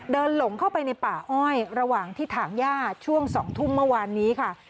หลงเข้าไปในป่าอ้อยระหว่างที่ถางย่าช่วง๒ทุ่มเมื่อวานนี้ค่ะ